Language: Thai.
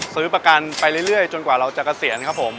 ซื้อประกันไปเรื่อยจนกว่าเราจะเกษียณครับผม